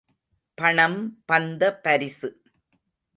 பணம் பந்த பரிசு!